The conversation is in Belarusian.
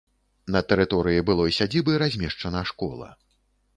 На тэрыторыі былой сядзібы размешчана школа.